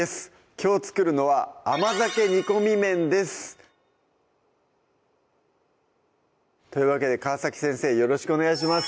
きょう作るのは「甘酒煮込み麺」ですというわけで川先生よろしくお願いします